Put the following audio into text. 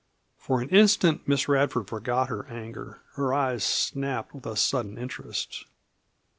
For an instant Miss Radford forgot her anger. Her eyes snapped with a sudden interest.